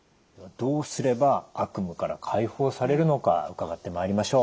どうすれば悪夢から解放されるのか伺ってまいりましょう。